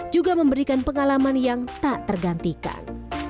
juga memberikan pengalaman yang tak tergantikan